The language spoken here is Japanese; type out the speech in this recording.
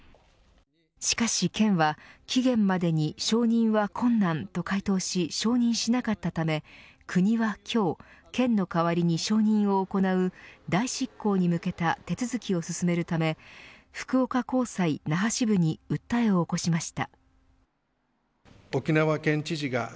しかし県は期限までに承認は困難と回答し承認しなかったため国は今日、県の代わりに承認を行う代執行に向けた手続きを進めるため福岡高裁那覇支部に訴えを起こしました。